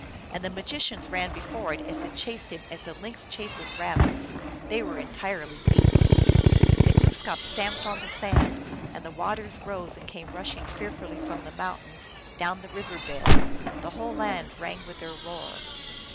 And the magicians ran before it as it chased them as a lynx chases rabbits ; they were entirely beaten. Then Glooskap stamped on the sand, and the waters rose and came rushing fearfully from the mountains adown the river bed ; the whole land rang with their roar.